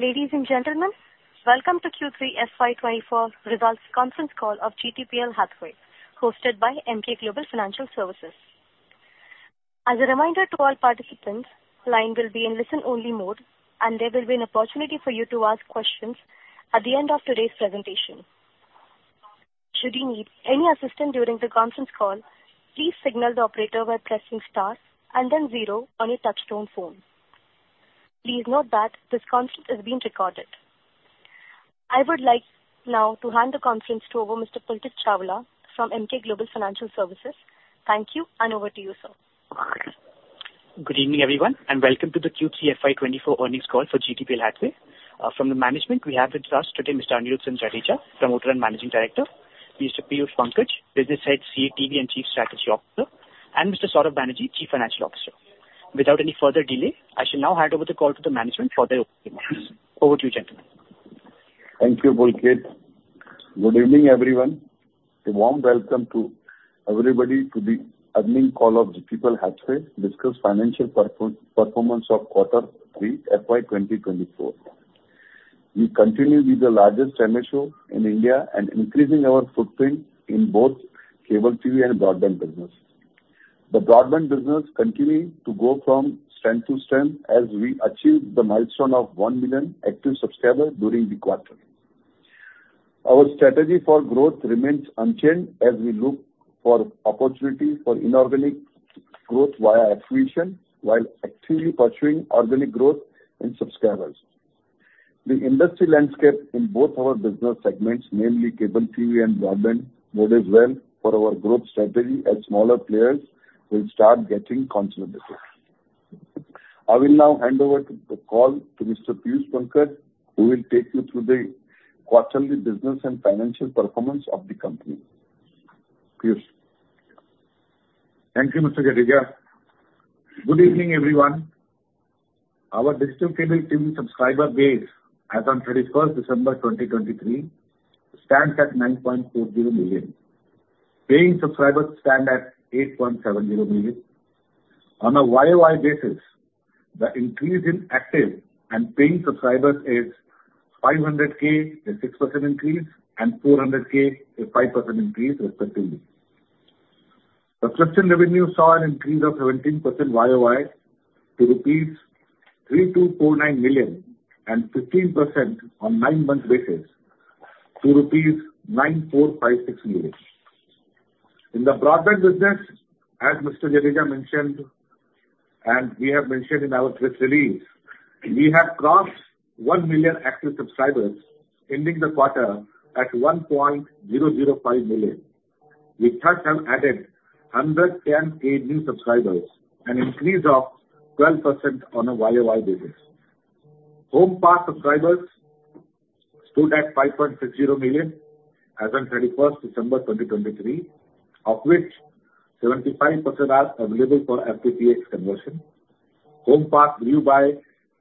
Ladies and gentlemen, welcome to Q3 FY 2024 results conference call of GTPL Hathway, hosted by Emkay Global Financial Services. As a reminder to all participants, line will be in listen-only mode, and there will be an opportunity for you to ask questions at the end of today's presentation. Should you need any assistance during the conference call, please signal the operator by pressing star and then zero on your touchtone phone. Please note that this conference is being recorded. I would like now to hand the conference over to Mr. Pulkit Chawla from Emkay Global Financial Services. Thank you, and over to you, sir. Good evening, everyone, and welcome to the Q3 FY 2024 earnings call for GTPL Hathway. From the management, we have with us today Mr. Anirudhsinh Jadeja, Promoter and Managing Director, Mr. Piyush Pankaj, Business Head CATV and Chief Strategy Officer, and Mr. Saurav Banerjee, Chief Financial Officer. Without any further delay, I shall now hand over the call to the management for their opening remarks. Over to you, gentlemen. Thank you, Pulkit. Good evening, everyone. A warm welcome to everybody to the earnings call of GTPL Hathway to discuss financial performance of quarter 3 FY 2024. We continue to be the largest MSO in India and increasing our footprint in both cable TV and broadband business. The broadband business continues to go from strength to strength as we achieve the milestone of 1 million active subscribers during the quarter. Our strategy for growth remains unchanged as we look for opportunity for inorganic growth via acquisition, while actively pursuing organic growth in subscribers. The industry landscape in both our business segments, mainly cable TV and broadband, bodes well for our growth strategy, as smaller players will start getting consolidated. I will now hand over the call to Mr. Piyush Pankaj, who will take you through the quarterly business and financial performance of the company. Piyush? Thank you, Mr. Jadeja. Good evening, everyone. Our digital cable TV subscriber base as on 31 December 2023 stands at 9.40 million. Paying subscribers stand at 8.70 million. On a YoY basis, the increase in active and paying subscribers is 500,000, a 6% increase, and 400,000, a 5% increase respectively. Subscription revenue saw an increase of 17% YoY to rupees 3,249 million and 15% on 9-month basis, to rupees 9,456 million. In the broadband business, as Mr. Jadeja mentioned, and we have mentioned in our press release, we have crossed 1 million active subscribers, ending the quarter at 1.005 million. We thus have added 110,000 new subscribers, an increase of 12% on a YoY basis. Home pass subscribers stood at 5.60 million as of December 31, 2023, of which 75% are available for FTTH conversion. Home pass grew by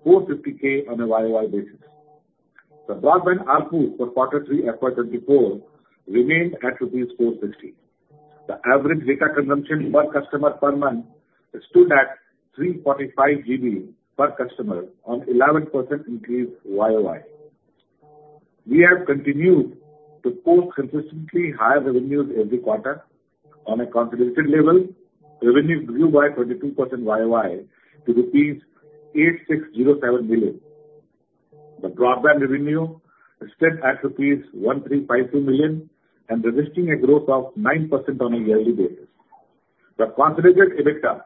450,000 on a YoY basis. The broadband ARPU for Q3 FY 2024 remained at 450. The average data consumption per customer per month stood at 345 GB per customer, an 11% increase YoY. We have continued to post consistently high revenues every quarter. On a consolidated level, revenues grew by 22% YoY to rupees 8,607 million. The broadband revenue stood at rupees 1,352 million, and registering a growth of 9% on a yearly basis. The consolidated EBITDA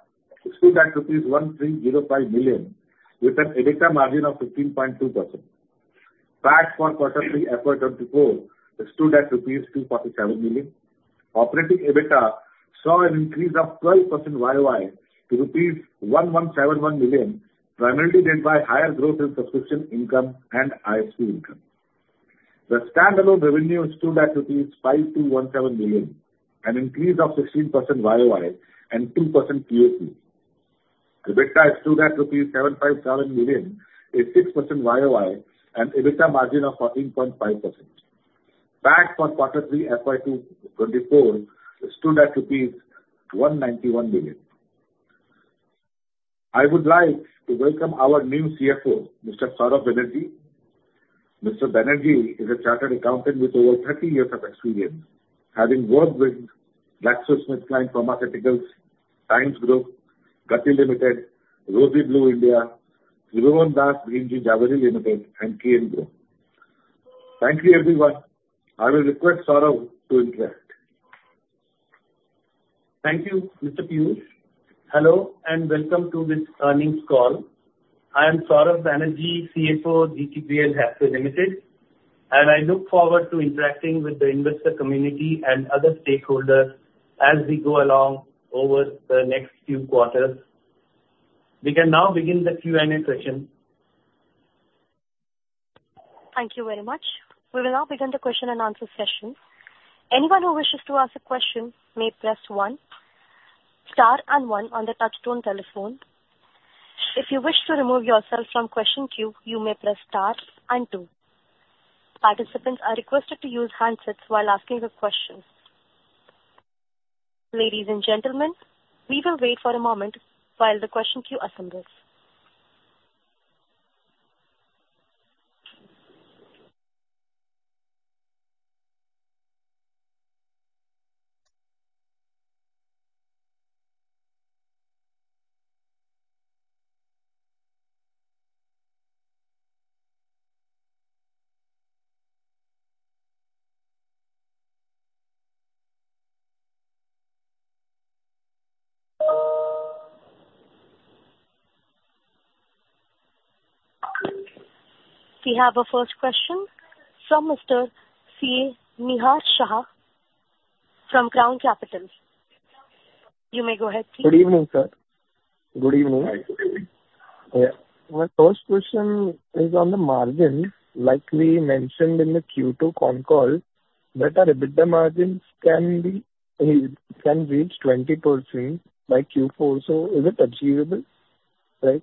stood at rupees 1,305 million, with an EBITDA margin of 15.2%. CapEx for Q3 FY24 stood at rupees 247 million. Operating EBITDA saw an increase of 12% YoY to rupees 1,171 million, primarily led by higher growth in subscription income and ISP income. The standalone revenue stood at rupees 5,217 million, an increase of 16% YoY and 2% QoQ. EBITDA stood at 757 million, a 6% YoY, and EBITDA margin of 14.5%. CapEx for quarter 3 FY 2024 stood at rupees 191 million. I would like to welcome our new CFO, Mr. Saurav Banerjee. Mr. Banerjee is a chartered accountant with over 30 years of experience, having worked with GlaxoSmithKline Pharmaceuticals, Times Group, Gati Limited, Rosy Blue India, Tribhovandas Bhimji Zaveri Limited, and KEAN Group. Thank you, everyone. I will request Saurav to interact. Thank you, Mr. Piyush. Hello, and welcome to this earnings call. I am Saurav Banerjee, CFO, GTPL Hathway Limited, and I look forward to interacting with the investor community and other stakeholders as we go along over the next few quarters. We can now begin the Q&A session. Thank you very much. We will now begin the question and answer session. Anyone who wishes to ask a question may press one, star and one on the touchtone telephone. If you wish to remove yourself from question queue, you may press star and two. Participants are requested to use handsets while asking the questions.... Ladies and gentlemen, we will wait for a moment while the question queue assembles. We have a first question from Mr. CA Nihar Shah from Crown Capital. You may go ahead, please. Good evening, sir. Good evening. Hi, good evening. Yeah. My first question is on the margin, like we mentioned in the Q2 con call, that our EBITDA margins can be, can reach 20% by Q4, so is it achievable? Right.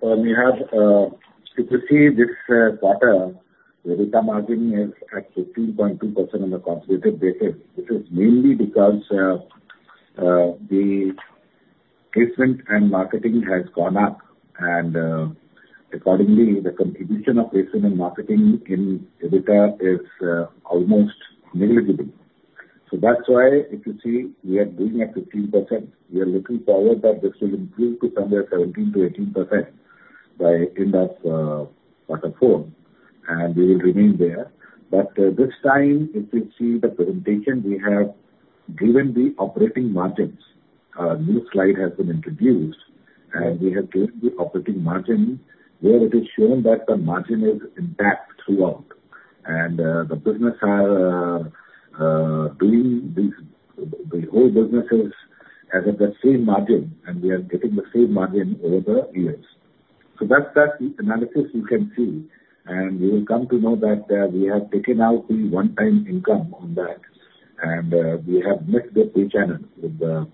So we have, if you see this quarter, the EBITDA margin is at 15.2% on a consolidated basis, which is mainly because the placement and marketing has gone up, and accordingly, the contribution of placement and marketing in EBITDA is almost negligible. So that's why, if you see, we are doing at 15%. We are looking forward that this will improve to somewhere 17%-18% by end of quarter four, and we will remain there. But this time, if you see the presentation, we have given the operating margins. A new slide has been introduced, and we have given the operating margin, where it is shown that the margin is intact throughout. And, the business are doing the whole business is at the same margin, and we are getting the same margin over the years. So that's that analysis you can see, and you will come to know that, we have taken out the one-time income on that, and, we have mixed the two channels with the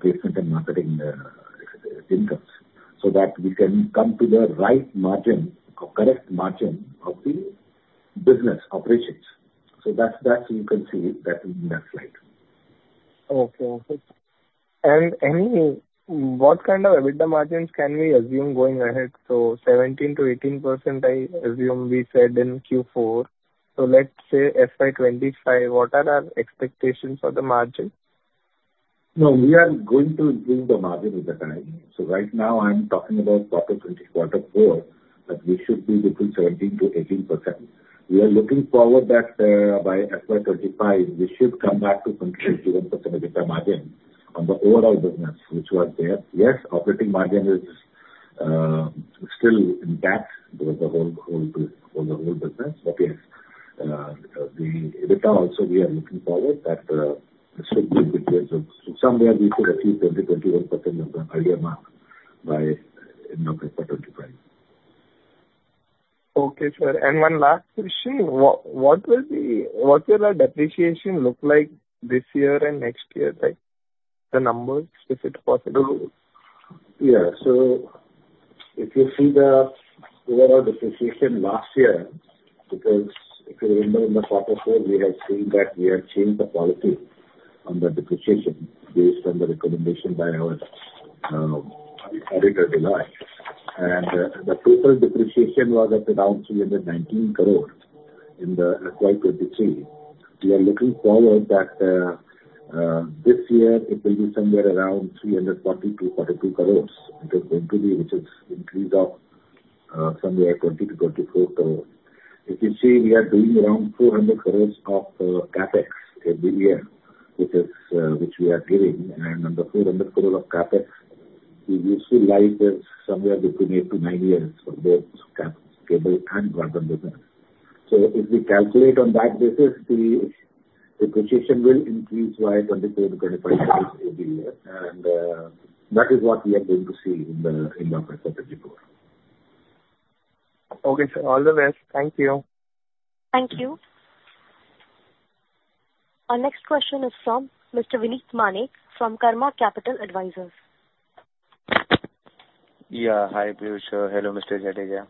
placement and marketing incomes, so that we can come to the right margin or correct margin of the business operations. So that's, that you can see that in the next slide. Okay. Okay. And any, what kind of EBITDA margins can we assume going ahead? So 17%-18%, I assume we said in Q4. So let's say FY 2025, what are our expectations for the margin? No, we are going to do the margin with the time. So right now I'm talking about quarter 20, quarter 4, that we should be between 17%-18%. We are looking forward that by FY 2025, we should come back to 27% EBITDA margin on the overall business, which was there. Yes, operating margin is still intact with the whole business, but yes, the EBITDA also, we are looking forward that should be between somewhere we could achieve 20%-21% of the earlier mark by end of FY 2025. Okay, sir. One last question: what will the, what will our depreciation look like this year and next year? Like, the numbers, if it's possible. Yeah. So if you see the overall depreciation last year, because if you remember in the quarter four, we had seen that we had changed the policy on the depreciation based on the recommendation by our auditor, Deloitte. And the total depreciation was at around 319 crore in the FY 2023. We are looking forward that this year it will be somewhere around 340 crore-342 crore. It is going to be, which is increase of somewhere 20 crore-24 crore. If you see, we are doing around 400 crore of CapEx every year, which is which we are giving, and on the 400 crore of CapEx, we usually like somewhere between eight to nine years for both cable and broadband business. If we calculate on that basis, the depreciation will increase by 24-25 every year, and that is what we are going to see in the FY 2024. Okay, sir. All the best. Thank you. Thank you. Our next question is from Mr. Vinit Manek from Karma Capital Advisors. Yeah. Hi, Piyush. Hello, Mr. Jadeja.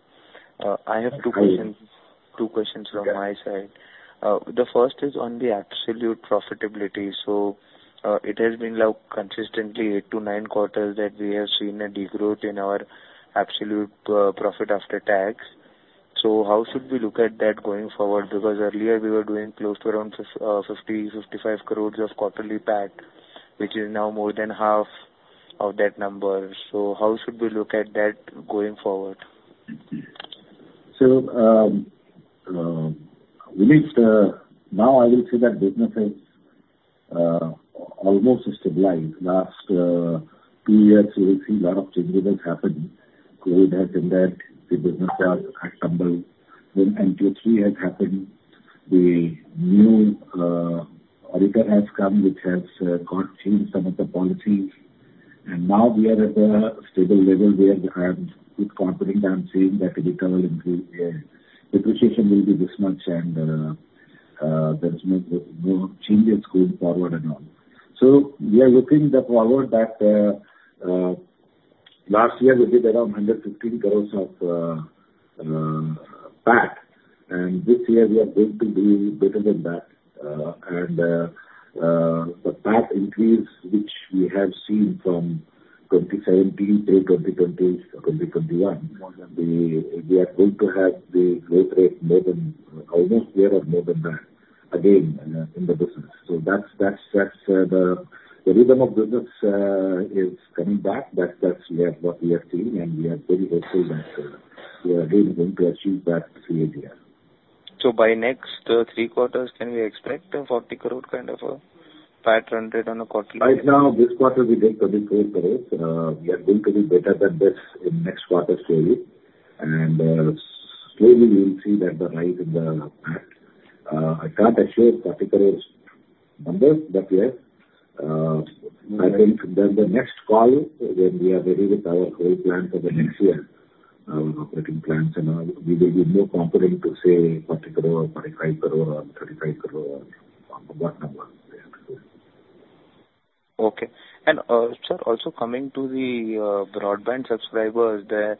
I have two questions. Hi. Two questions from my side. The first is on the absolute profitability. So, it has been now consistently eight to nine quarters that we have seen a decline in our absolute, profit after tax. So how should we look at that going forward? Because earlier we were doing close to around 50 crore-55 crore of quarterly PAT, which is now more than half of that number. So how should we look at that going forward? So, Vinit, now I will say that business is almost stabilized. Last two years, you will see a lot of changes has happened. COVID has impact, the business have stumbled. Then NTO 3.0 has happened. The new auditor has come, which has got changed some of the policies. And now we are at a stable level where I'm confident, I'm saying that EBITDA will improve. Yeah, depreciation will be this much and there is no changes going forward and all. So we are looking forward that last year we did around 115 crore of PAT, and this year we are going to do better than that. And the PAT increase, which we have seen from 2017 to 2020, 2021, we are going to have the growth rate more than almost there or more than that, again, in the business. So that's the rhythm of business is coming back. That's what we are seeing, and we are very hopeful that we are really going to achieve that same here. So by next three quarters, can we expect a 40 crore kind of a PAT earned it on a quarterly? Right now, this quarter we did 24 crore. We are going to be better than this in next quarter surely. Slowly we will see that the rise in the PAT. I can't assure particular numbers, but, yeah, I think that the next call, when we are ready with our whole plan for the next year, our operating plans and all, we will be more confident to say INR 40 crore or INR 45 crore or INR 35 crore, or what number yeah. Okay. And, sir, also coming to the broadband subscribers, the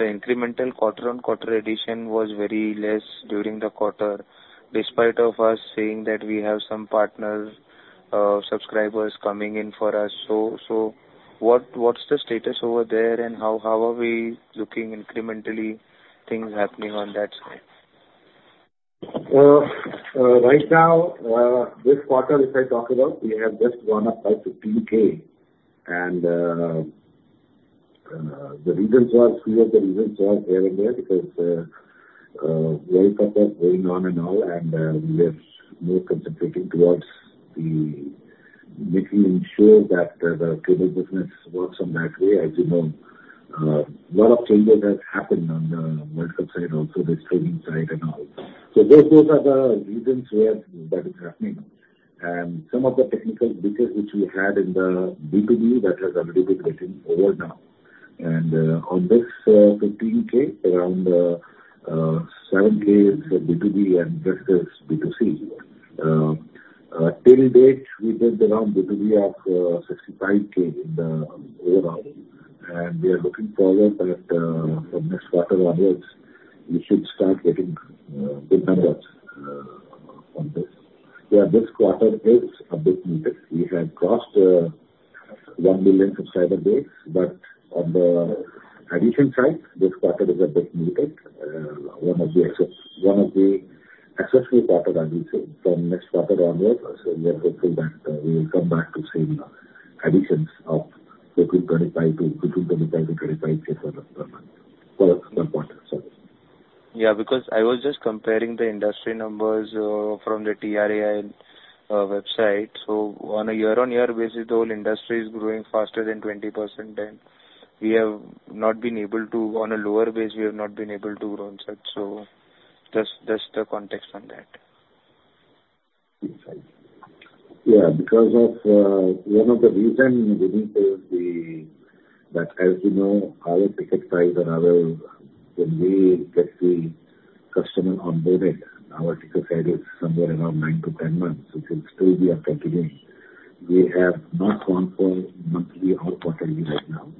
incremental quarter-on-quarter addition was very less during the quarter, despite of us saying that we have some partners subscribers coming in for us. So, what's the status over there, and how are we looking incrementally, things happening on that side? Well, right now, this quarter, if I talk about, we have just gone up by 15,000. And, the reasons was, few of the reasons was there and there, because, very purpose going on and all, and, we are more concentrating towards the making sure that, the cable business works on that way. As you know, a lot of changes has happened on the multi-side, also the streaming side and all. So those, those are the reasons we have, that is happening. And some of the technical issues which we had in the B2B, that has already been getting over now. And, on this, 15,000, around, 7,000 is B2B and rest is B2C. Till date, we built around B2B of 65,000 in the overall, and we are looking forward that from this quarter onwards, we should start getting big numbers on this. Yeah, this quarter is a bit muted. We had crossed 1 million subscriber base, but on the addition side, this quarter is a bit muted. One of the access, one of the accessory quarter, I would say, from next quarter onwards. So we are hoping that we will come back to same additions of between 25,000 to, between 25,000 to 35,000 per month. So that's important. So... Yeah, because I was just comparing the industry numbers from the TRAI website. So on a year-on-year basis, the whole industry is growing faster than 20%, and we have not been able to... On a lower base, we have not been able to grow on such. So that's, that's the context on that. Yeah. Because of one of the reason, Vinay, is that as you know, our ticket prices are, when we get the customer onboarded, our ticket size is somewhere around nine to 10 months, which will still be continuing. We have not gone for monthly or quarterly right now,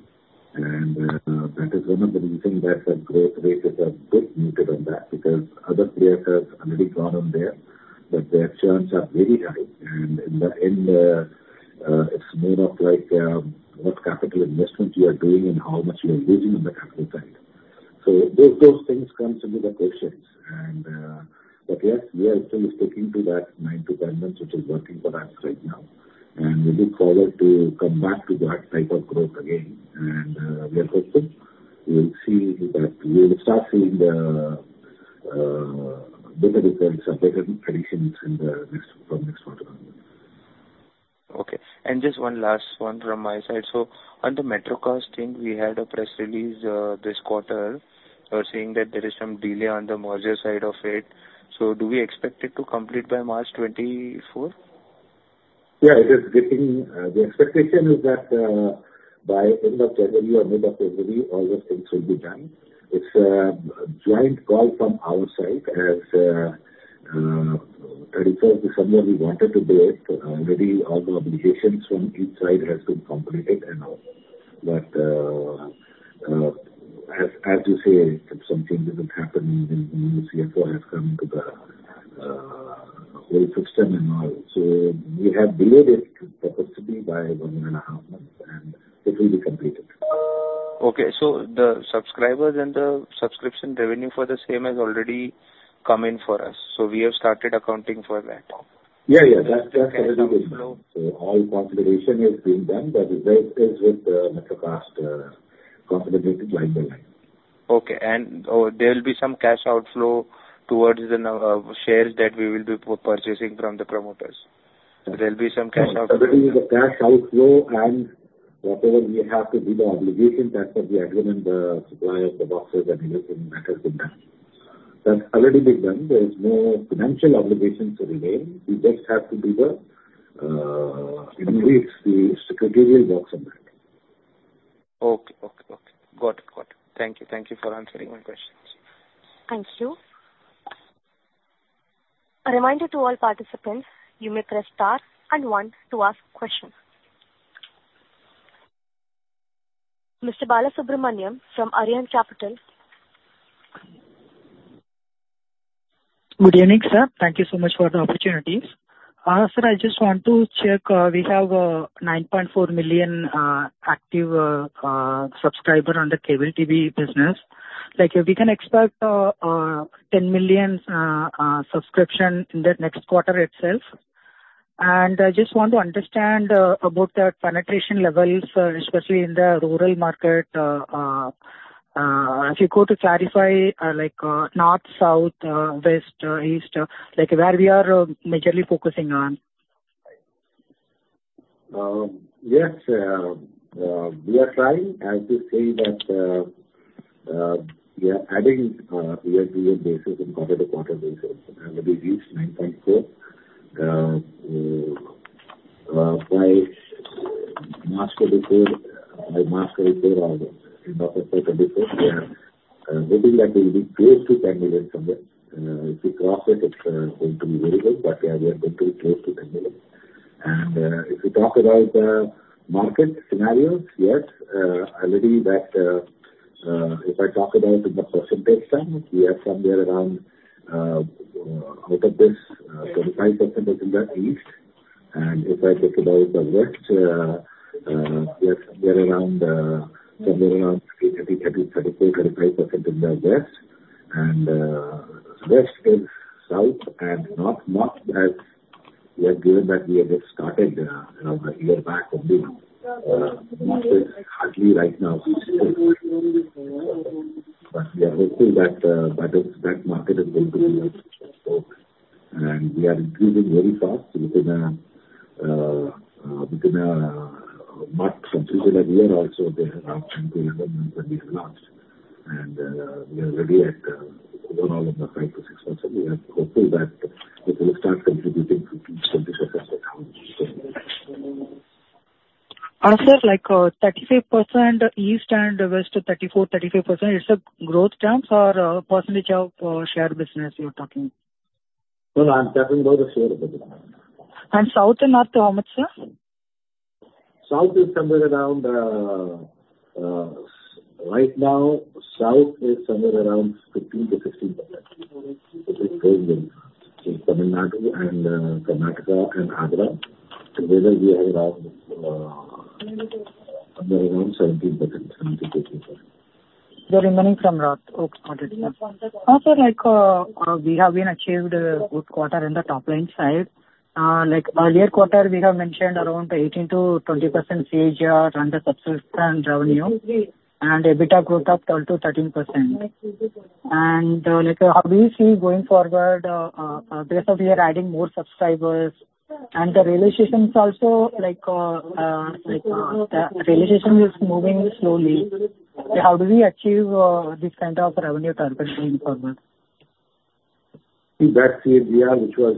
and that is one of the reason that the growth rate is a bit muted on that, because other players have already gone on there, but their churns are very high. And it's more of like what capital investment you are doing and how much you are losing on the capital side. So those things comes into the picture. And but yes, we are still sticking to that nine to 10 months, which is working for us right now. We look forward to come back to that type of growth again. We are hoping we will see that we will start seeing the better results or better additions from next quarter on. Okay. And just one last one from my side. So on the Metrocast thing, we had a press release, this quarter, saying that there is some delay on the merger side of it. So do we expect it to complete by March 2024? Yeah, it is getting. The expectation is that, by end of January or mid of February, all those things will be done. It's a joint call from our side as it was somewhere we wanted to do it. Already all the obligations from each side has been completed and all. But, as you say, if something doesn't happen, even the new CFO has come to the system and all. So we have delayed it purposely by one and a half months, and it will be completed. Okay. So the subscribers and the subscription revenue for the same has already come in for us. So we have started accounting for that now? Yeah, yeah, that's already done. So- All consideration has been done. That is with Metrocast, consolidated line by line. Okay. And there will be some cash outflow towards the number of shares that we will be purchasing from the promoters. There will be some cash outflow? Already, the cash outflow and whatever we have to do, the obligation, that's what we agreed, and the suppliers, the boxes and everything, matters with that. That's already been done. There is no financial obligations to the same. We just have to do the increase the secretarial works on that.... Okay, okay, okay. Got it. Got it. Thank you. Thank you for answering my questions. Thank you. A reminder to all participants, you may press star and one to ask questions. Mr. Bala Subramanian from Arihant Capital. Good evening, sir. Thank you so much for the opportunity. Sir, I just want to check, we have 9.4 million active subscriber on the cable TV business. Like, we can expect 10 million subscription in the next quarter itself. And I just want to understand about the penetration levels, especially in the rural market. If you go to clarify, like, north, south, west, east, like where we are majorly focusing on? Yes, we are trying, as we say, that we are adding year-over-year basis and quarter-over-quarter basis, and we reached 9.4. By March quarter, by March quarter or in October quarter before, we are hoping that we'll be close to 10 million from there. If we cross it, it's going to be very good, but yeah, we are going to be close to 10 million. And if we talk about the market scenarios, yes, already that if I talk about in the percentage term, we are somewhere around out of this 35% is in the east. And if I talk about the west, yes, we are around somewhere around 30%, 30%, 34%, 35% in the west. West, South and North. North, as we have given, we have just started a year back only. North is hardly right now, but we are hoping that market is going to be open. And we are increasing very fast within March and within a year also, there are 20 million members that we have launched. And we are already at overall in the five to six months, and we are hopeful that it will start contributing to some percentage. Sir, like, 35% east and west, 34%-35%, it's a growth terms or a percentage of share business you're talking? No, I'm talking about the share business. South and north, how much, sir? South is somewhere around. Right now, south is somewhere around 15%-16%. It is growing in Tamil Nadu and Karnataka and Andhra. Together, we are around somewhere around 17%, 17%-18%. The remaining from north. Okay, got it. Also, like, we have been achieved, good quarter in the top line side. Like, earlier quarter, we have mentioned around 18%-20% CAGR on the subscription revenue, and EBITDA growth of 12%-13%. And, like, how do you see going forward, because we are adding more subscribers, and the realization is also like, like, the realization is moving slowly. How do we achieve, this kind of revenue target going forward? See, that CAGR, which was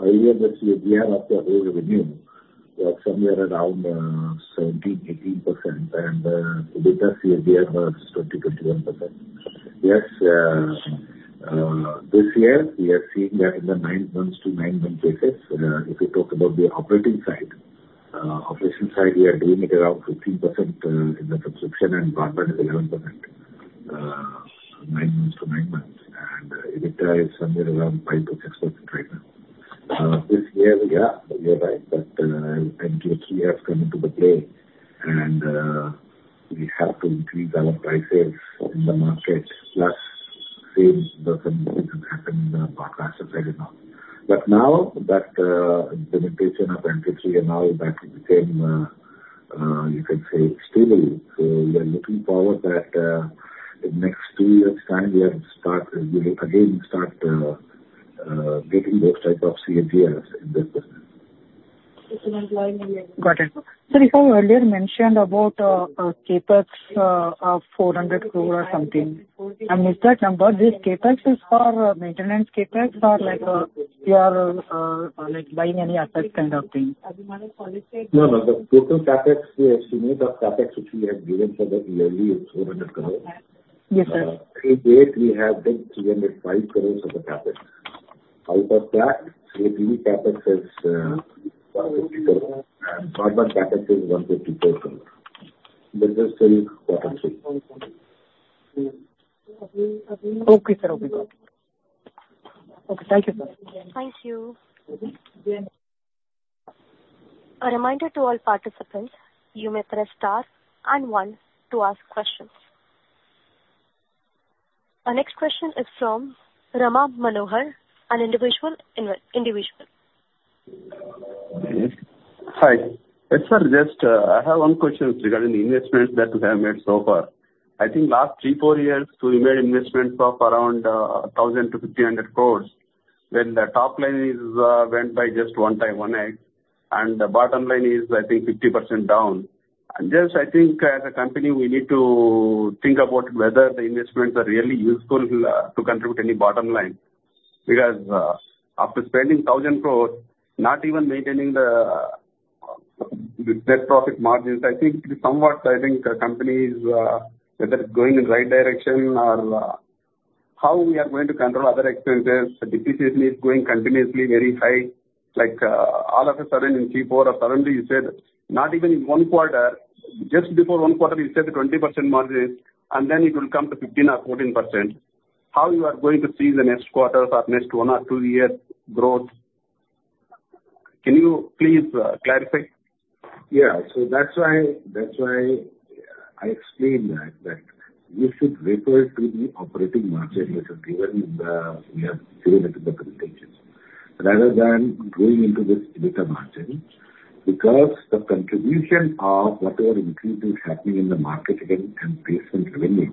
earlier the CAGR of the whole revenue, was somewhere around 17%-18%, and the data CAGR was 20%-21%. Yes, this year we are seeing that in the nine months to nine months basis. If you talk about the operating side, operating side, we are doing it around 15% in the subscription, and broadband is 11%, nine months to nine months. And EBITDA is somewhere around 5%-6% right now. This year, yeah, you're right, that NTO has come into the play, and we have to increase our prices in the market, plus same doesn't, didn't happen in the past as I did not. But now that limitation of NTO are now back to the same, you can say, stable. So we are looking forward that, in next two years' time, we will again start getting those type of CAGRs in this business. Got it. Sir, you have earlier mentioned about a CapEx of INR 400 crore or something. I missed that number. This CapEx is for maintenance CapEx or like we are like buying any asset kind of thing? No, no. The total CapEx, the estimate of CapEx, which we have given for the yearly is 400 crore. Yes, sir. Till date, we have done 305 crore of the CapEx. Out of that, CPE CapEx is 150 crore and broadband CapEx is 150 crore. This is for quarter three. Okay, sir. Okay, got it. Okay, thank you, sir. Thank you. A reminder to all participants, you may press star and one to ask questions. Our next question is from Rama Manohar, an individual investor. Hi. Yes, sir, just, I have one question regarding the investments that you have made so far. I think last three to four years, you made investments of around 1,000 crore-1,500 crore, when the top line went by just 1x, and the bottom line is, I think, 50% down. Just I think as a company, we need to think about whether the investments are really useful, to contribute any bottom line... because, after spending 1,000 crore, not even maintaining the net profit margins, I think it is somewhat I think the company is, whether going in the right direction or, how we are going to control other expenses. The depreciation is going continuously very high. Like, all of a sudden in Q4 or suddenly you said not even in one quarter, just before one quarter, you said the 20% margins, and then it will come to 15% or 14%. How you are going to see the next quarter or next one or two years growth? Can you please clarify? Yeah. So that's why, that's why I explained that, that you should refer to the operating margin, which is given in the, we have given it in the presentations. Rather than going into this EBITDA margin, because the contribution of whatever increase is happening in the marketing and placement revenue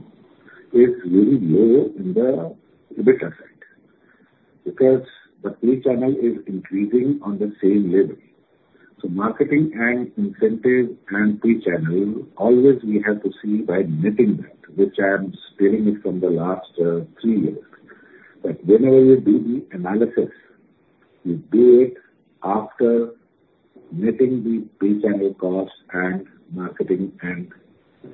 is very low in the EBITDA side, because the free channel is increasing on the same level. So marketing and incentive and free channel, always we have to see by netting that, which I am stating it from the last three years. That whenever you do the analysis, you do it after netting the free channel cost and marketing and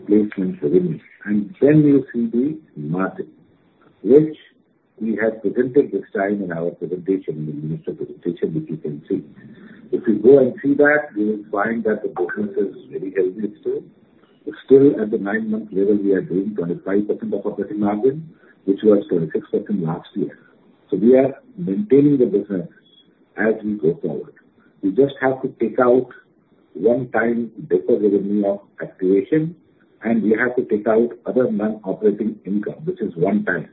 placement revenue, and then you see the margin, which we have presented this time in our presentation, in the investor presentation, which you can see. If you go and see that, you will find that the business is very healthy still. But still, at the nine-month level, we are doing 25% of operating margin, which was 26% last year. So we are maintaining the business as we go forward. We just have to take out one-time deferred revenue of activation, and we have to take out other non-operating income, which is one-time,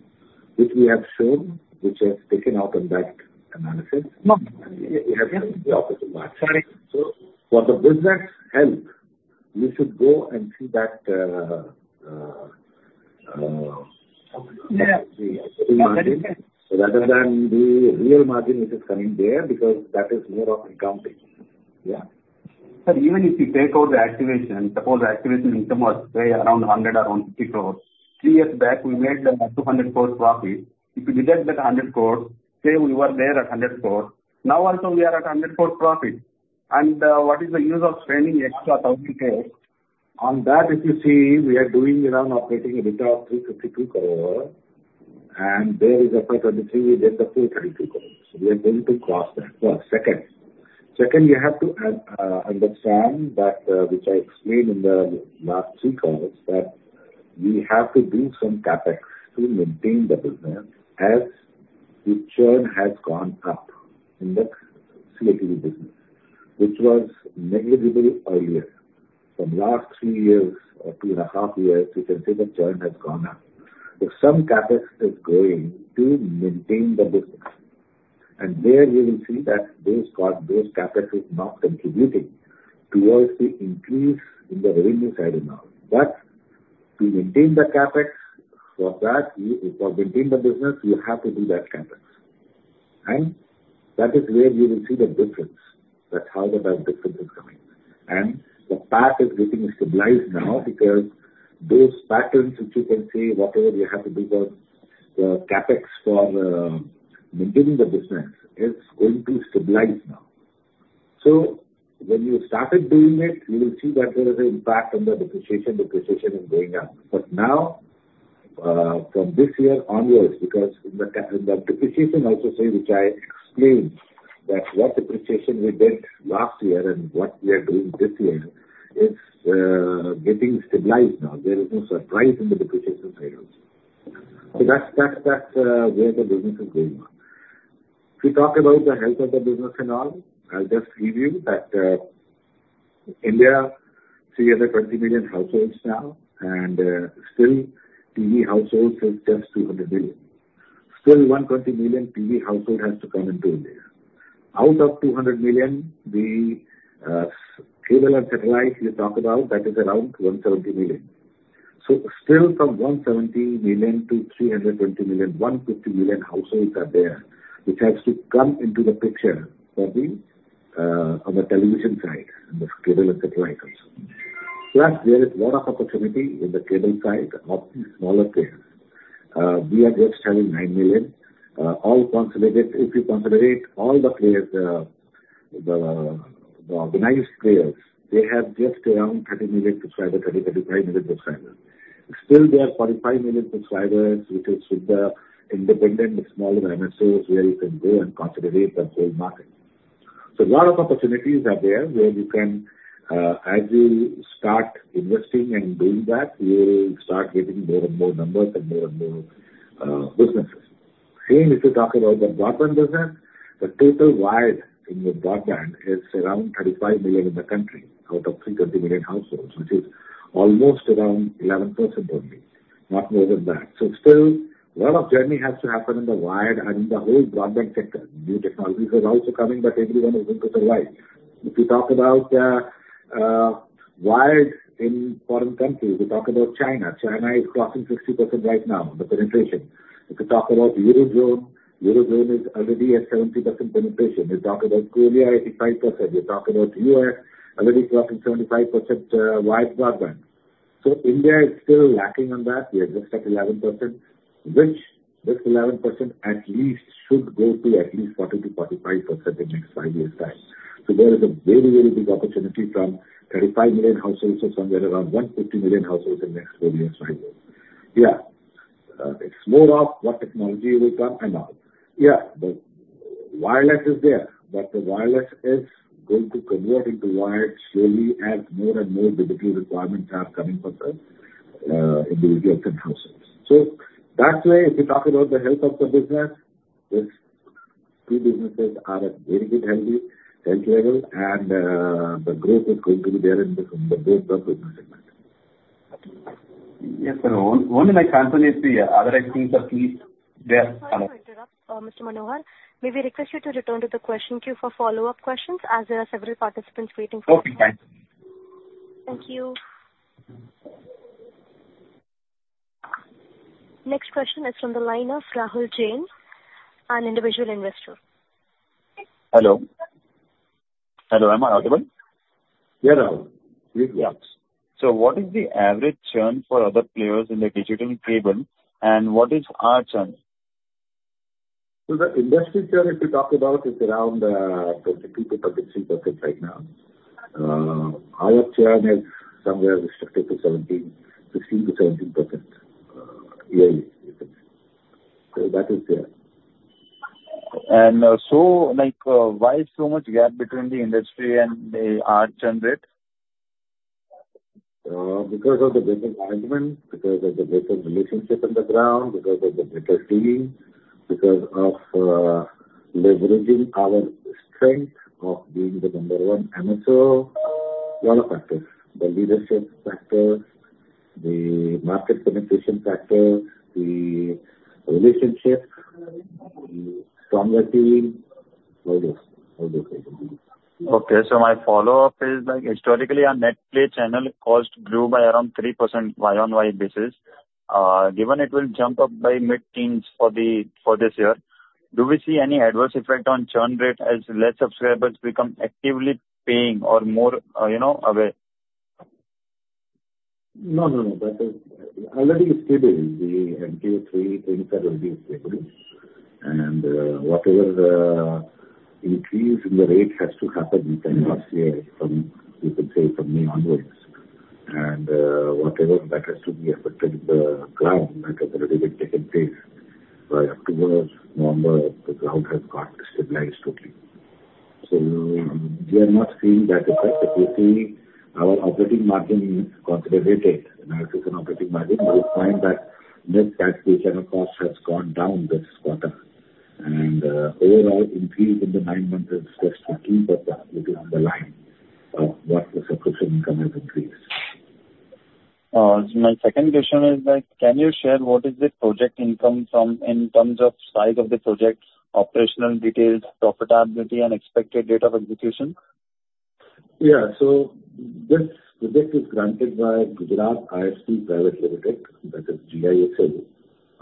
which we have shown, which is taken out on that analysis. No. We have seen the opposite margin. Sorry. For the business health, you should go and see that. Yeah. The operating margin, rather than the real margin, which is coming there, because that is more of accounting. Yeah. But even if you take out the activation, suppose the activation income was, say, around INR 100 crore, around 50 crore. Three years back, we made 200 crore profit. If you deduct that 100 crore, say, we were there at 100 crore, now also we are at 100 crore profit. And what is the use of spending extra 1,000 crore? On that, if you see, we are doing around operating EBITDA of 352 crore, and there is a point where we get the 232 crore. So we are going to cross that. Well, second. Second, you have to understand that, which I explained in the last three quarters, that we have to do some CapEx to maintain the business as the churn has gone up in the CTV business, which was negligible earlier. From last three years or three and a half years, you can say the churn has gone up. So some CapEx is going to maintain the business, and there you will see that those cost, those CapEx is not contributing towards the increase in the revenue side now. But to maintain the CapEx, for that, you—for maintain the business, you have to do that CapEx. That is where you will see the difference, that's how the big difference is coming. The path is getting stabilized now because those patterns which you can see, whatever you have to do for the CapEx, for maintaining the business, is going to stabilize now. So when you started doing it, you will see that there is an impact on the depreciation. Depreciation is going up. But now, from this year onwards, because the depreciation also, say, which I explained, that what depreciation we did last year and what we are doing this year is getting stabilized now. There is no surprise in the depreciation side. So that's where the business is going on. If you talk about the health of the business and all, I'll just give you that, India, 320 million households now, and still TV households is just 200 million. Still 120 million TV household has to come into India. Out of 200 million, the cable and satellite you talk about, that is around 170 million. So still from 170 million to 320 million, 150 million households are there, which has to come into the picture for the on the television side, in the cable and satellite also. Plus, there is lot of opportunity in the cable side of smaller players. We are just having 9 million all consolidated. If you consolidate all the players, the nice players, they have just around 30 million subscribers, 30 million-35 million subscribers. Still, there are 45 million subscribers, which is with the independent smaller MSOs, where you can go and consolidate the whole market. So a lot of opportunities are there where you can, as you start investing and doing that, you will start getting more and more numbers and more and more, businesses. Same if you talk about the broadband business, the total wired in the broadband is around 35 million in the country, out of 300 million households, which is almost around 11% only, not more than that. So still, lot of journey has to happen in the wired and in the whole broadband sector. New technologies are also coming, but everyone is looking for wide. If you talk about, wired in foreign countries, we talk about China. China is crossing 60% right now, the penetration. If you talk about Euro Zone, Euro Zone is already at 70% penetration. We talk about Korea, 85%. We talk about U.S., already crossing 75%, uh, wired broadband. So India is still lacking on that. We are just at 11%, which this 11% at least should go to at least 40%-45% in next five years' time. So there is a very, very big opportunity from 35 million households to somewhere around 150 million households in next four years, five years. Yeah. Uh, it's more of what technology will come and all. Yeah, the wireless is there, but the wireless is going to convert into wired slowly as more and more digital requirements are coming from the, uh, individual households. So that's why if you talk about the health of the business, these two businesses are at very good, healthy, health level, and the growth is going to be there in the base of business. Yes, sir. Only my concern is the other things are still there- Sorry to interrupt, Mr. Manohar. May we request you to return to the question queue for follow-up questions, as there are several participants waiting for you. Okay, thank you. Thank you. Next question is from the line of Rahul Jain, an individual investor. Hello. Hello, am I audible? You're audible. Please, yes. What is the average churn for other players in the digital cable, and what is our churn? So the industry churn, if you talk about, is around, 32%-33% right now. Our churn is somewhere restricted to 17, 16%-17% yearly. So that is there. So, like, why so much gap between the industry and the, our churn rate? Because of the better management, because of the better relationship on the ground, because of the better team, because of leveraging our strength of being the number one MSO. Lot of factors, the leadership factor, the market penetration factor, the relationship, the stronger team. All this, all this I can give you. Okay. So my follow-up is, like, historically, our net play channel cost grew by around 3% YoY basis. Given it will jump up by mid-teens for the, for this year, do we see any adverse effect on churn rate as less subscribers become actively paying or more, you know, aware? No, no, no. That is already stable. The Q3 in February is stable, and whatever increase in the rate has to happen within last year from, you could say, from May onwards. And whatever that has to be affected, the ground that has already been taken place by October, November, the ground has got stabilized totally. So we are not seeing that effect. If you see our operating margin considered rate, net operating margin, you will find that net cash flow channel cost has gone down this quarter. And overall increase in the nine months is just 13%, little on the line of what the subscription income has increased. My second question is, like, can you share what is the project income from... in terms of size of the projects, operational details, profitability, and expected date of execution? Yeah. So this project is granted by Gujarat ISP Private Limited, that is GISL,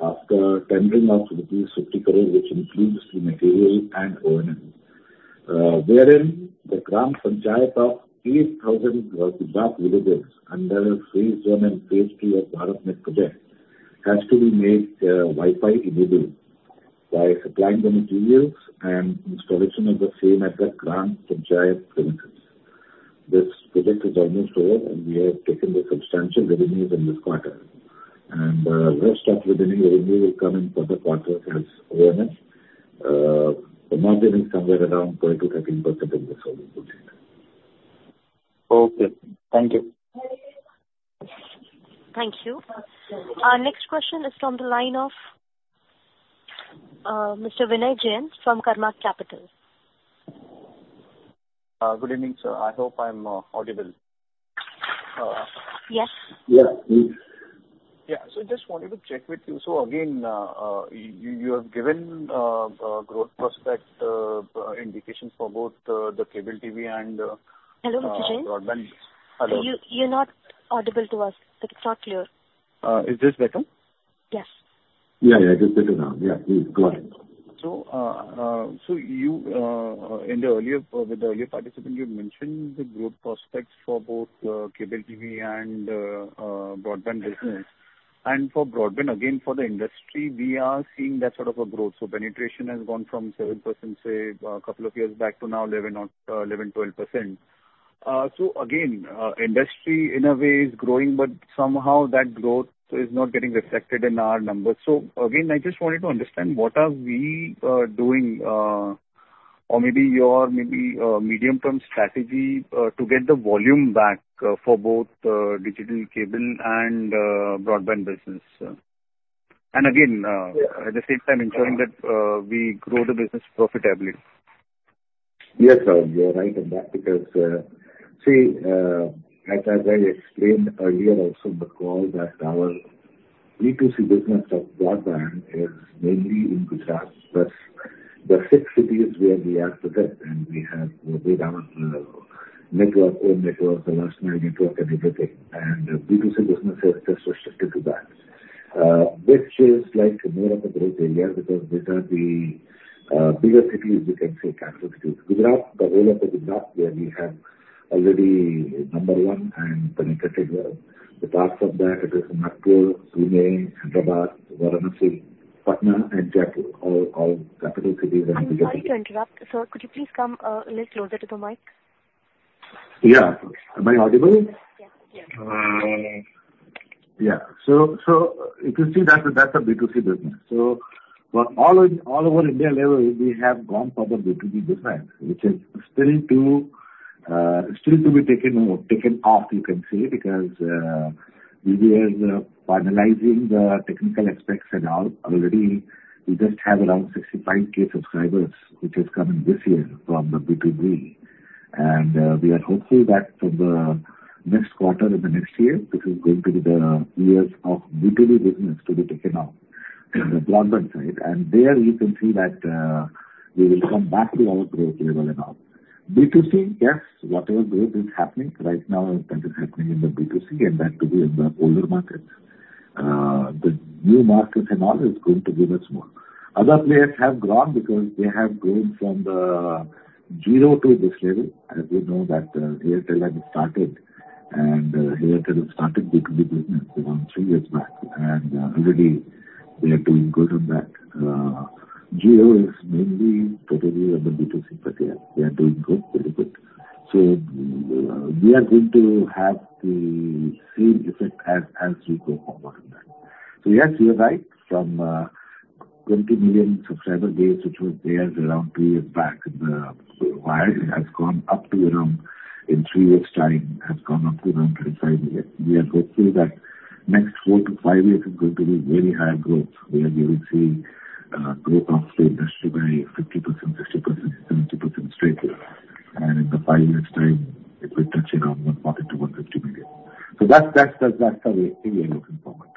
after tendering of INR 50 crore, which includes the material and O&M. Wherein the Gram Panchayat of 8,000 Gujarat villages under phase I and phase II of BharatNet project has to be made Wi-Fi enabled by supplying the materials and installation of the same at the Gram Panchayat premises. This project is almost over, and we have taken the substantial revenues in this quarter. Rest of the remaining revenue will come in for the quarter as awareness. The margin is somewhere around 20%-13% in this whole project. Okay, thank you. Thank you. Our next question is from the line of, Mr. Vinay Jain from Karma Capital. Good evening, sir. I hope I'm audible. Yes. Yeah, please. Yeah. So just wanted to check with you. So again, you have given growth prospect indications for both the cable TV and- Hello, Mr. Jain. Broadband. Hello. You, you're not audible to us. It's not clear. Is this better? Yes. Yeah, yeah. It is better now. Yeah, please go ahead. So you, in the earlier, with the earlier participant, you mentioned the growth prospects for both, cable TV and, broadband business. And for broadband, again, for the industry, we are seeing that sort of a growth. So penetration has gone from 7%, say, a couple of years back, to now 11 or, 11%, 12%. So again, industry in a way is growing, but somehow that growth is not getting reflected in our numbers. So again, I just wanted to understand, what are we, doing, or maybe your maybe, medium-term strategy, to get the volume back, for both, digital cable and, broadband business? And again, Yeah. At the same time, ensuring that we grow the business profitably. Yes, sir, you're right on that, because, see, as I explained earlier also in the call, that our B2C business of broadband is mainly in Gujarat. Plus, the six cities where we have to get, and we have built our, network, own network, the last mile network, and everything. And B2C business is just-... Which is like more of a growth area because these are the, bigger cities, you can say, capital cities. Gujarat, the role of the Gujarat, where we have already number one and penetration. Apart from that, it is Nagpur, Pune, Hyderabad, Varanasi, Patna, and Jaipur, all, all capital cities and- I'm sorry to interrupt. Sir, could you please come a little closer to the mic? Yeah. Am I audible? Yes. Yeah. Yeah. So if you see, that's a B2C business. So but all over India level, we have gone for the B2B business, which is still to be taken off, you can say, because we are finalizing the technical aspects and all. Already, we just have around 65,000 subscribers, which is coming this year from the B2B. And we are hopeful that from the next quarter in the next year, this is going to be the years of B2B business to be taken off in the broadband side. And there you can see that we will come back to our growth level and all. B2C, yes, whatever growth is happening right now, that is happening in the B2C and that to be in the older markets. The new markets and all is going to give us more. Other players have grown because they have grown from the Jio to this level. As you know, that Airtel has started, and Airtel started B2B business around three years back, and already they are doing good on that. Jio is mainly, probably on the B2C, but yeah, they are doing good, very good. So we are going to have the same effect as we go forward in that. So yes, you're right. From 20 million subscriber base, which was there around two years back, has gone up to around, in three years' time, has gone up to around 35 million. We are hopeful that next four to five years is going to be very high growth, where we will see growth of the industry by 50%, 60%, 70% straight away. In the five years' time, it will touch around 100 million-150 million. So that's the way we are looking forward.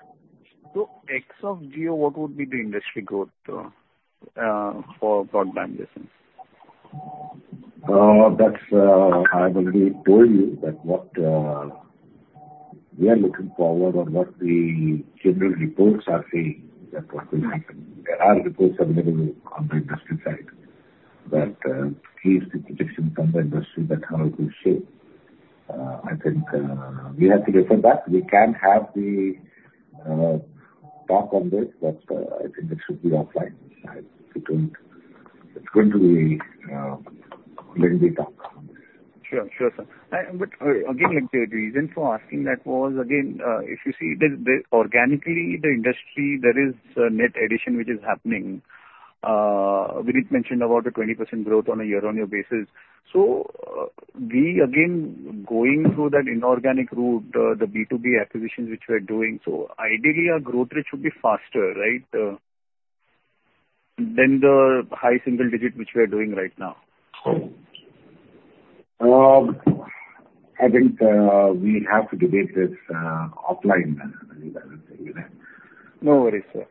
So X of Jio, what would be the industry growth for broadband business? That's, I already told you that what we are looking forward or what the general reports are saying that what will happen. There are reports available on the industry side that gives the prediction from the industry that how it will shape. I think we have to refer back. We can have the talk on this, but I think it should be offline. I think it, it's going to be little bit tough. Sure. Sure, sir. But, again, like the reason for asking that was again, if you see the, the organically, the industry, there is a net addition which is happening. Vineet mentioned about a 20% growth on a year-on-year basis. So, we again going through that inorganic route, the B2B acquisitions which we're doing, so ideally our growth rate should be faster, right, than the high single digit, which we are doing right now? I think we have to debate this offline, then I will say yeah. No worries, sir.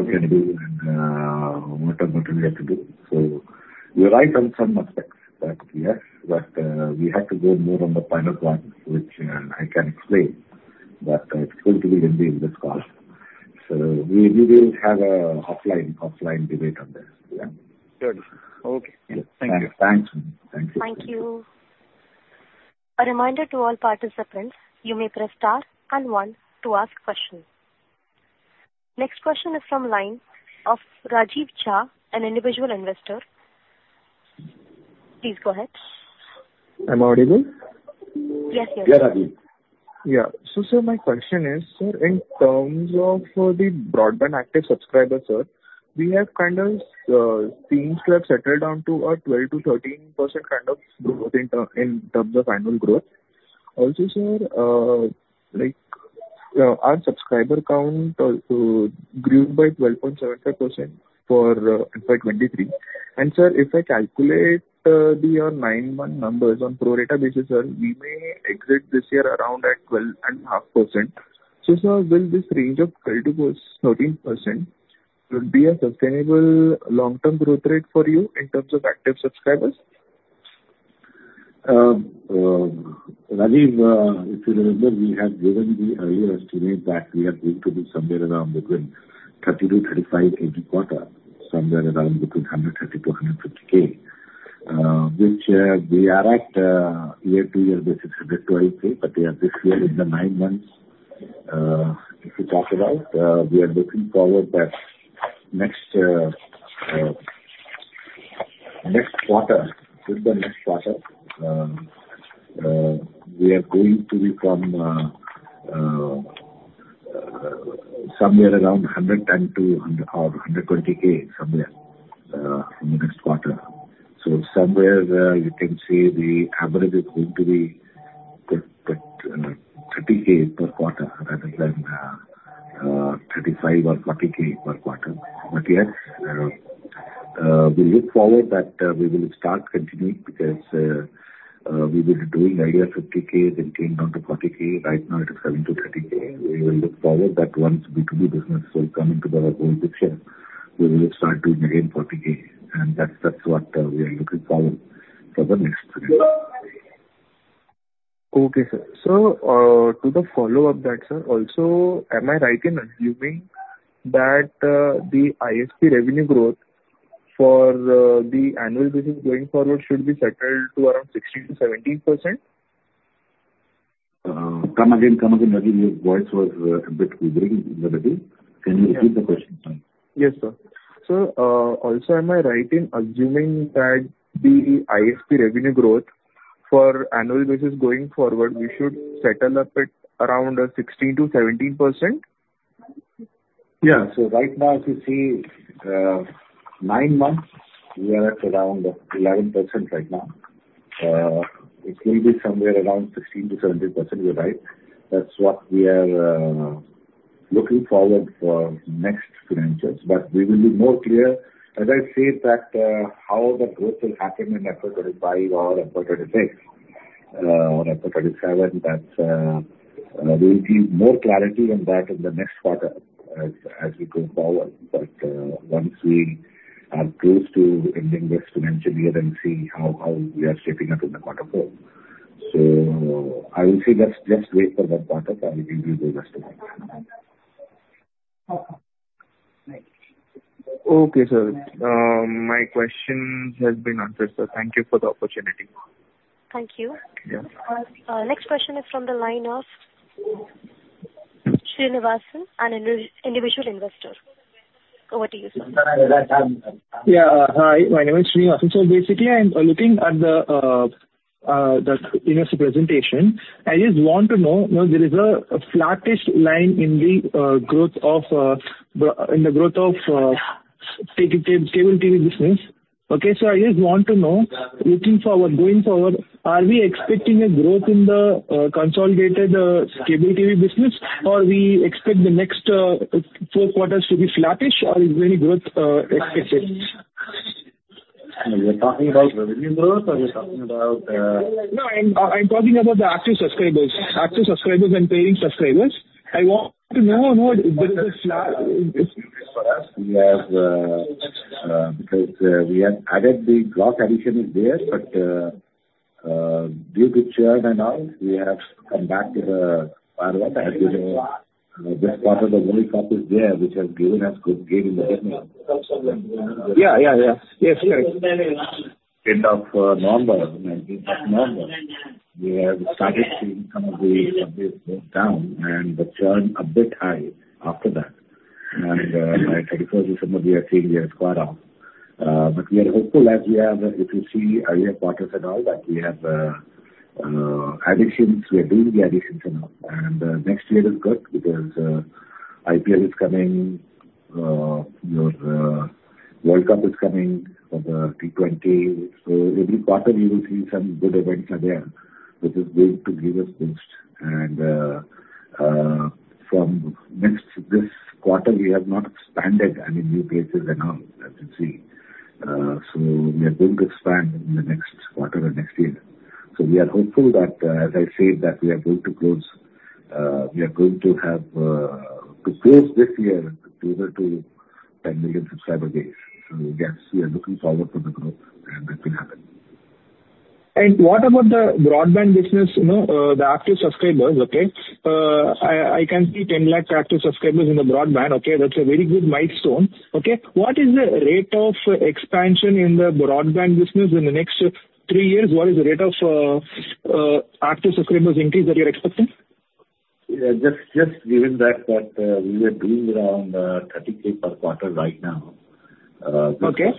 We can do and what we have to do. So you're right on some aspects, but yes, but we have to go more on the final one, which I can explain, but it's going to be lengthy in this call. So we will have an offline debate on this. Yeah? Sure. Okay. Thank you. Thanks. Thank you. Thank you. A reminder to all participants, you may press Star and One to ask questions. Next question is from line of Rajiv Jha, an individual investor. Please go ahead. Am I audible? Yes, yes. Yeah, Rajiv. Yeah. So, sir, my question is, sir, in terms of the broadband active subscriber, sir, we have kind of things that have settled down to a 12%-13% kind of growth in terms of annual growth. Also, sir, like, our subscriber count grew by 12.75% for 2023. And sir, if I calculate the nine-month numbers on pro rata basis, sir, we may exit this year around at 12.5%. So, sir, will this range of 12%-13% will be a sustainable long-term growth rate for you in terms of active subscribers? Rajiv, if you remember, we had given the earlier estimate that we are going to be somewhere around between 30,000-35,000 every quarter, somewhere around between 130,000-150,000. Which, we are at, year-to-year basis at the 20,000, but, yeah, this year in the nine months, if you talk about, we are looking forward that next, next quarter, with the next quarter, we are going to be from, somewhere around hundred and to hund- or 120,000 somewhere, in the next quarter. So somewhere, you can say the average is going to be thir- thir- 30,000 per quarter, rather than, 35,000 or 40,000 per quarter. Yes, we look forward that we will start continuing because we were doing nearly 50,000, then came down to 40,000. Right now it is 7,000-30,000. We will look forward that once B2B business will come into the whole picture, we will start doing again 40,000, and that's, that's what we are looking forward for the next year.... Okay, sir. So, to the follow-up that, sir, also, am I right in assuming that the ISP revenue growth for the annual business going forward should be settled to around 16%-17%? Come again, come again, Nabin. Your voice was a bit lingering in the beginning. Can you repeat the question? Yes, sir. So, also, am I right in assuming that the ISP revenue growth for annual business going forward, we should settle up at around 16%-17%? Yeah. So right now, if you see, nine months, we are at around 11% right now. It will be somewhere around 16%-17%, you're right. That's what we are looking forward for next financials. But we will be more clear, as I said, that how the growth will happen in FY 2025 or FY 2026 or FY 2027, that we will give more clarity on that in the next quarter as we go forward. But once we are close to ending this financial year and see how we are shaping up in quarter four. So I will say let's just wait for that quarter, and we will give us to that. Okay, sir. My questions has been answered, sir. Thank you for the opportunity. Thank you. Yeah. Next question is from the line of Srinivasan, an individual investor. Over to you, sir. Yeah. Hi, my name is Srinivasan. So basically, I'm looking at the, the, you know, presentation. I just want to know, you know, there is a, a flattish line in the, growth of, the, in the growth of, cable TV business. Okay, so I just want to know, looking forward, going forward, are we expecting a growth in the, consolidated, cable TV business, or we expect the next, four quarters to be flattish, or is there any growth, expected? You're talking about revenue growth, or you're talking about? No, I'm talking about the active subscribers, active subscribers and paying subscribers. I want to know this is flat. For us, we have, because we have added the block addition is there, but due to churn and all, we have come back to the what has been. This quarter, the growth is there, which has given us good gain in the business. Yeah, yeah, yeah. Yes, correct. End of November, 19th of November, we have started seeing some of the subscribers go down and the churn a bit high after that. And, by 31st December, we are seeing we are quite off. But we are hopeful, as we have, if you see earlier quarters and all, that we have, additions, we are doing the additions now. And, next year is good because, IPL is coming, your, World Cup is coming for the T20. So every quarter you will see some good events are there, which is going to give us boost. And, from next, this quarter, we have not expanded any new cases at all, as you see. So we are going to expand in the next quarter and next year. So we are hopeful that, as I said, that we are going to close this year closer to 10 million subscriber base. So yes, we are looking forward for the growth, and that will happen. What about the broadband business? You know, the active subscribers, okay? I can see 10 lakh active subscribers in the broadband. Okay, that's a very good milestone. Okay, what is the rate of expansion in the broadband business in the next three years? What is the rate of active subscribers increase that you're expecting? Yeah, just given that, we were doing around 30,000 per quarter right now. Okay.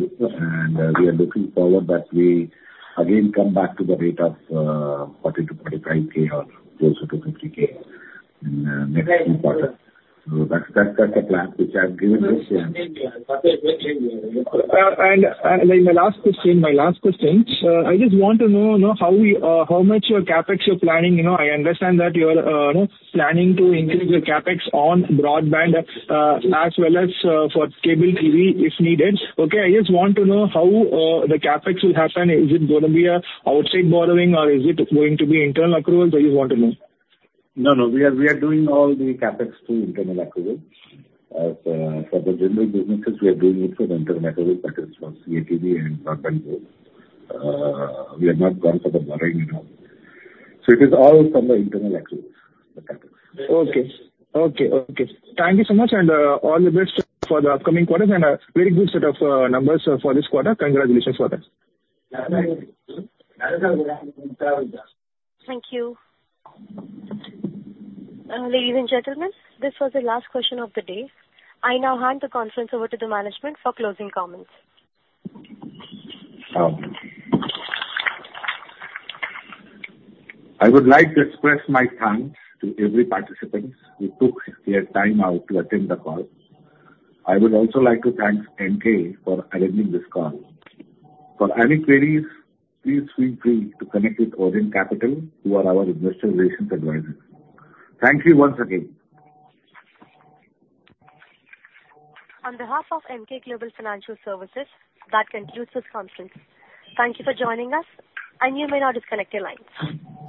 We are looking forward that we again come back to the rate of 40,000-45,000 or closer to 50,000 in next two quarters. So that's the plan which I've given this, yeah. And my last question. I just want to know, you know, how much your CapEx you're planning. You know, I understand that you're planning to increase the CapEx on broadband as well as for cable TV, if needed. Okay, I just want to know how the CapEx will happen. Is it gonna be a outside borrowing, or is it going to be internal accrual? That I want to know. No, no. We are, we are doing all the CapEx through internal accrual. As, for the general businesses, we are doing it for internal accrual, that is, for CATV and broadband growth. We have not gone for the borrowing at all. So it is all from the internal accruals, the CapEx. Okay. Okay, okay. Thank you so much, and all the best for the upcoming quarters, and a very good set of numbers for this quarter. Congratulations for that. Thank you. Thank you. Ladies and gentlemen, this was the last question of the day. I now hand the conference over to the management for closing comments. I would like to express my thanks to every participants who took their time out to attend the call. I would also like to thank Emkay for arranging this call. For any queries, please feel free to connect with Orient Capital, who are our investor relations advisors. Thank you once again. On behalf of Emkay Global Financial Services, that concludes this conference. Thank you for joining us, and you may now disconnect your lines.